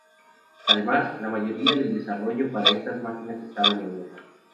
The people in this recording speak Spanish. Además, la mayoría del desarrollo para estas máquinas estaba en Europa.